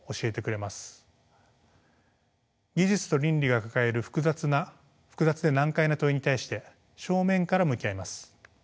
技術と倫理が抱える複雑で難解な問いに対して正面から向き合います。